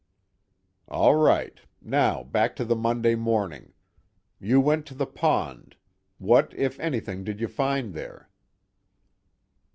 "All right. Now back to the Monday morning. You went to the pond. What if anything did you find there?"